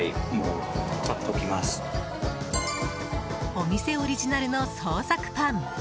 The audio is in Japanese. お店オリジナルの創作パン。